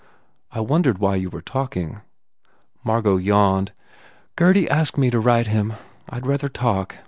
"I wondered why you were talking." Margot yawned, "Gurdy asked me to write him. I d rather talk.